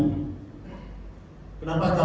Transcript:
anda tidak berani ngerti wak